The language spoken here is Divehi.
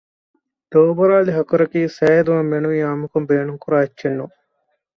ދޯބުރާލި ހަކުރަކީ ސައިހެދުމަށް މެނުވީ އާންމުކޮށް ބޭނުން ކުރާ އެއްޗެއް ނޫން